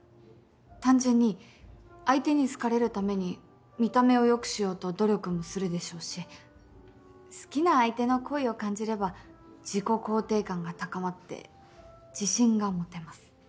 単純に相手に好かれるために見た目を良くしようと努力もするでしょうし好きな相手の好意を感じれば自己肯定感が高まって自信が持てます。